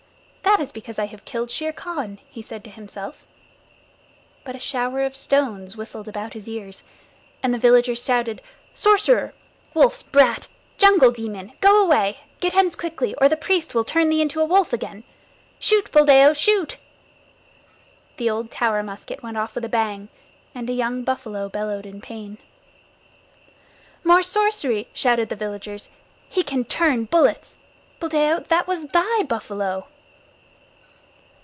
"That is because I have killed Shere Khan," he said to himself. But a shower of stones whistled about his ears, and the villagers shouted: "Sorcerer! Wolf's brat! Jungle demon! Go away! Get hence quickly or the priest will turn thee into a wolf again. Shoot, Buldeo, shoot!" The old Tower musket went off with a bang, and a young buffalo bellowed in pain. "More sorcery!" shouted the villagers. "He can turn bullets. Buldeo, that was thy buffalo."